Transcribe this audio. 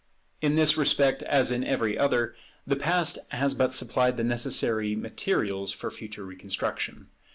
In this respect, as in every other, the Past has but supplied the necessary materials for future reconstruction.